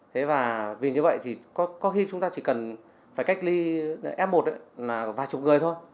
thế và vì như vậy thì có khi chúng ta chỉ cần phải cách ly f một là vài chục người thôi